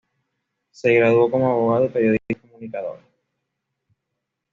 Se graduó como abogado y periodista comunicador.